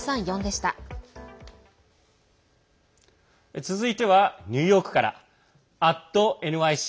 続いてはニューヨークから「＠ｎｙｃ」。